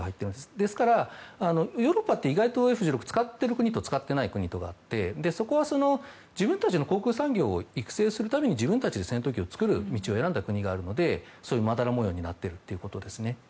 ですから、ヨーロッパって意外とＦ１６を使っている国とそうでない国があってそこは、自分たちの航空産業を育成するために自分たちで戦闘機を作る道を選んだ国があるのでそういう、まだら模様になっているということですね。